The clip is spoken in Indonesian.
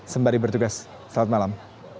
sembari bertugas salam malam